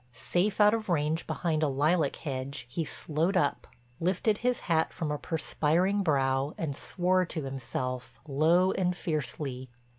Safe out of range behind a lilac hedge, he slowed up, lifted his hat from a perspiring brow and swore to himself, low and fiercely.